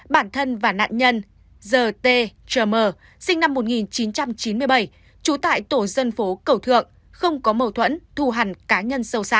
bản thân và nạn nhân giờ t trơ mờ sinh năm một nghìn chín trăm chín mươi bảy trú tại tổ dân phố cẩu thượng không có mâu thuẫn thù hẳn cá nhân sâu xa